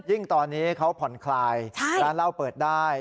ยิ่งตอนนี้เขาผ่อนคลายร้านเหล้าเปิดได้